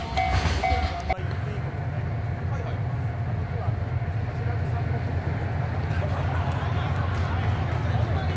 僕らがあんまり言っていいことがどうか分からないですけど、あの日は、マヂラブさんも結構よくなかった。